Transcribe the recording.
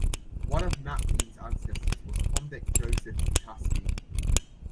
One of Napthine's ancestors was convict Joseph Potaski.